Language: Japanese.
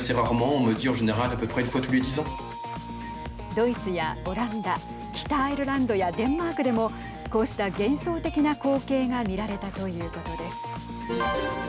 ドイツやオランダ北アイルランドやデンマークでもこうした幻想的な光景が見られたということです。